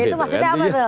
ya itu masih diupaya tuh